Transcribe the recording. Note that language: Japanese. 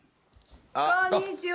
こんにちは。